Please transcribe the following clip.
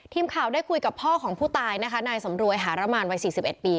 ทีมข่าวได้คุยกับพ่อของผู้ตายนะคะนายสำรวยหารมานวัย๔๑ปี